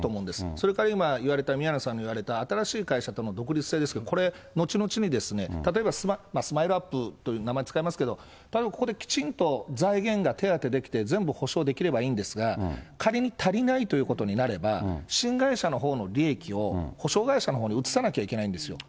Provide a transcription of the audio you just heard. それから今言われた、宮根さんが言われた新しい会社との独立性ですけれども、これ、後々に、例えば、スマイルアップという名前使いますけど、ここできちんと財源が手当てできて、全部補償できればいいんですが、仮に足りないということになれば、新会社のほうの利益を補償会社のほうに移さなきゃいけないんですよ。